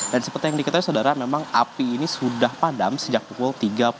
dan seperti yang dikatakan saudara memang api ini sudah padam sejak pukul tiga empat puluh lima